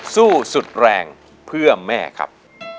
สู้สุดแรงเพื่อแม่ครับ